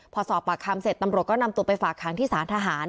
พอสอบปากคำเสร็จตำรวจก็นำตัวไปฝากค้างที่สารทหาร